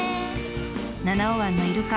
七尾湾のイルカ